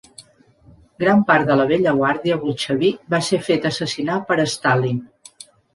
Gran part de la vella guàrdia bolxevic va ser feta assassinar per Stalin.